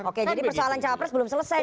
oke jadi persoalan cawapres belum selesai nih